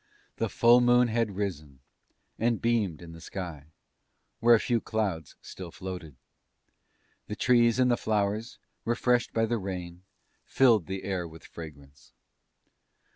The full moon had risen and beamed in the sky, where a few clouds still floated. The trees and the flowers, refreshed by the rain, filled the air with fragrance.